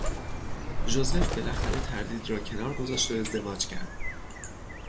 ژوزف بالاخره تردید را کنار گذاشت و ازدواج کرد.